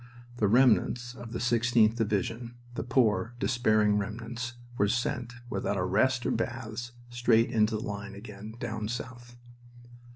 The remnants of the 16th Division, the poor, despairing remnants, were sent, without rest or baths, straight into the line again, down south.